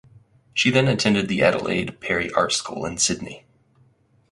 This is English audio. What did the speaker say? She then attended the Adelaide Perry Art School in Sydney.